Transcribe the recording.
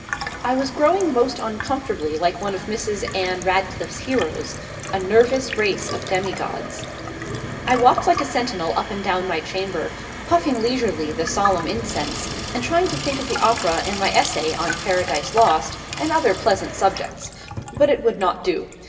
I was growing most uncomfortably like one of Mrs. Anne Radcliffe's heroes a nervous race of demigods. I walked like a sentinel up and down my chamber, puffing leisurely the solemn incense, and trying to think of the Opera and my essay on 'Paradise Lost,' and other pleasant subjects. But it would not do.